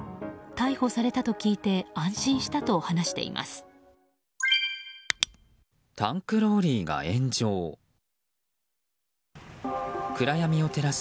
逮捕されたと聞いて安心したと話しています。